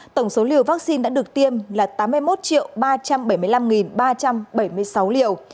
tổng số liều vaccine đã được tiêm là tám mươi một ba trăm bảy mươi năm ba trăm bảy mươi sáu liều